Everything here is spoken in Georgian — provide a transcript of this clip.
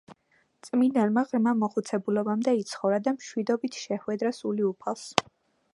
წმინდანმა ღრმა მოხუცებულობამდე იცხოვრა და მშვიდობით შეჰვედრა სული უფალს.